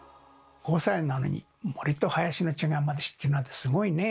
５歳なのに森と林の違いまで知ってるなんてすごいね！